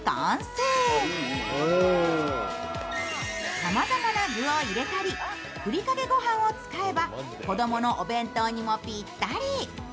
さまざまな具を入れたりふりかけ御飯を使えば子供のお弁当にもぴったり。